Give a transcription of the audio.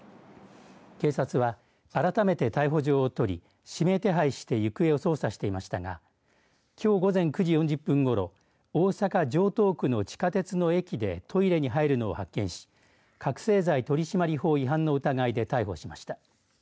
警察は、改めて逮捕状を取り指名手配して行方を捜査していましたがきょう午前９時４０分ごろ大阪、城東区の地下鉄の駅でトイレに入るのを発見し覚醒剤取締法違反の疑いで逮捕しました。